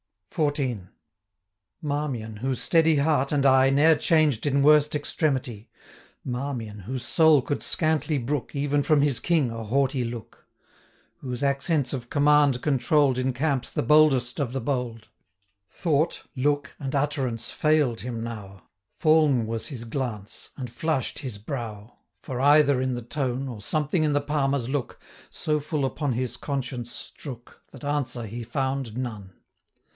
XIV. Marmion, whose steady heart and eye Ne'er changed in worst extremity; Marmion, whose soul could scantly brook, 220 Even from his King, a haughty look; Whose accents of command controll'd, In camps, the boldest of the bold Thought, look, and utterance fail'd him now, Fall'n was his glance, and flush'd his brow: 225 For either in the tone, Or something in the Palmer's look, So full upon his conscience strook, That answer he found none.